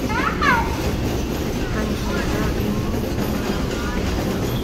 Kan hnuzarh in changreu ka ngei lo.